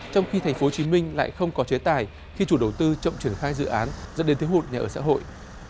trong khi tp hcm lại không có chế tài khi chủ đầu tư chậm triển khai dự án dẫn đến thiếu hụt nhà ở xã hội